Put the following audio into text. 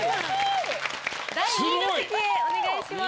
第２位の席へお願いします。